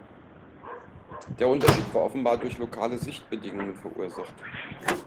Der Unterschied war offenbar durch lokale Sichtbedingungen verursacht.